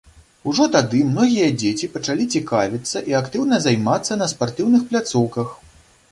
Ужо тады многія дзеці пачалі цікавіцца і актыўна займацца на спартыўных пляцоўках.